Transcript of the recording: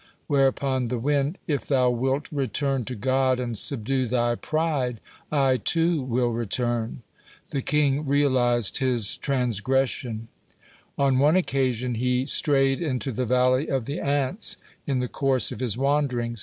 Whereupon the wind: "If thou wilt return to God, and subdue thy pride, I, too, will return." The king realized his transgression. On one occasion he strayed into the valley of the ants in the course of his wanderings.